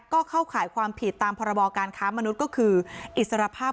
ก็เข้าข่ายความผิดตามพรบการค้ามนุษย์ก็คืออิสรภาพ